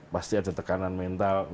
pasti ada tekanan mental